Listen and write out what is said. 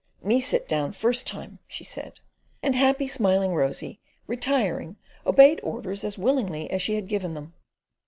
"Me sit down first time," she said; and happy, smiling Rosy, retiring, obeyed orders as willingly as she had given them.